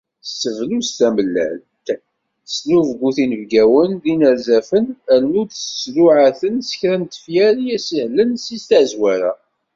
S tebluzt d tamellalt, tesnubgut inebgawen d yinerzafen, rnu tettluɛa-ten s kra n tefyar i as-sihlen si tazwara.